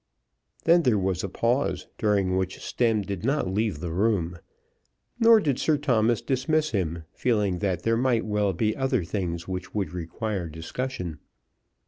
Then there was a pause, during which Stemm did not leave the room. Nor did Sir Thomas dismiss him, feeling that there might well be other things which would require discussion.